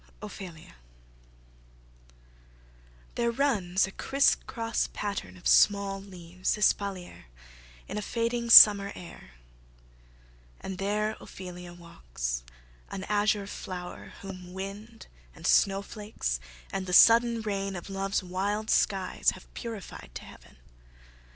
OPHELIA There runs a crisscross pattern of small leaves Espalier, in a fading summer air, And there Ophelia walks, an azure flower, Whom wind, and snowflakes, and the sudden rain Of love's wild skies have purified to heaven.